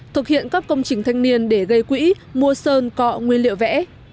thực hiện các công trình thanh niên để gây quỹ mua sơn cọ nguyên liệu vẽ